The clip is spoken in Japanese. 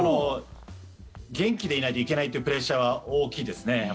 元気でいなきゃいけないというプレッシャーは大きいですね。